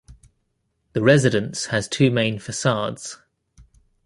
The residence has two main facades.